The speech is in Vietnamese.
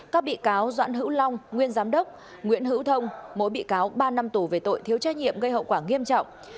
các bị cáo doãn hữu long nguyên giám đốc nguyễn hữu thông mỗi bị cáo ba năm tù về tội thiếu trách nhiệm gây hậu quả nghiêm trọng